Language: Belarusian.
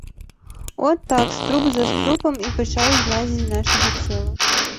От так струп за струпам і пачаў злазіць з нашага цела.